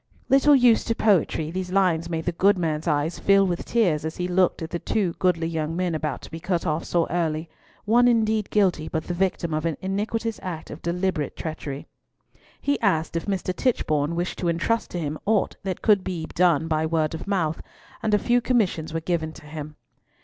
Little used to poetry, these lines made the good man's eyes fill with tears as he looked at the two goodly young men about to be cut off so early—one indeed guilty, but the victim of an iniquitous act of deliberate treachery. He asked if Mr. Tichborne wished to entrust to him aught that could be done by word of mouth, and a few commissions were given to him.